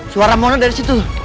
suara mona dari situ